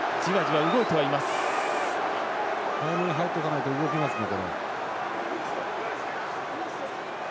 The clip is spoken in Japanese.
早めに入っておかないと動きますね。